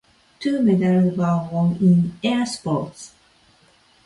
Two medals were won in air sports.